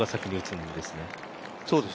そうですね。